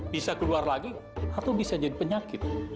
bisa keluar lagi atau bisa jadi penyakit